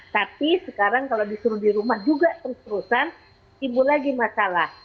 tapi sekarang kalau disuruh di rumah juga terus terusan timbul lagi masalah